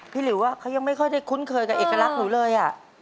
พี่หลิวยังไม่ค่อยคุ้นเคยกับเอกลักษณ์หนูเลย